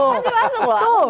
masih masuk loh